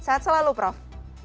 saat selalu prof